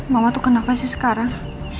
mama tuh kenapa sih sekarang